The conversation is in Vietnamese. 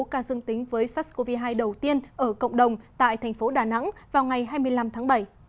ca dương tính với sars cov hai đầu tiên ở cộng đồng tại thành phố đà nẵng vào ngày hai mươi năm tháng bảy